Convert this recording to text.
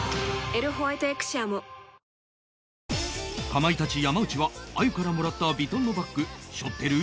かまいたち山内はあゆからもらったヴィトンのバッグ背負ってる？